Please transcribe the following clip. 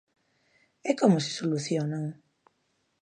¿E como se solucionan?